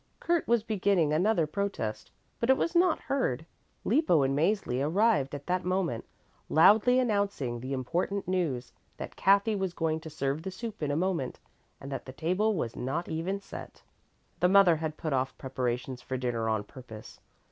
Kurt was beginning another protest, but it was not heard. Lippo and Mäzli arrived at that moment, loudly announcing the important news that Kathy was going to serve the soup in a moment and that the table was not even set. The mother had put off preparations for dinner on purpose.